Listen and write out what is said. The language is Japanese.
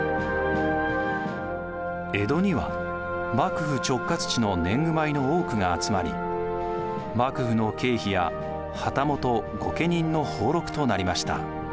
江戸には幕府直轄地の年貢米の多くが集まり幕府の経費や旗本・御家人の俸禄となりました。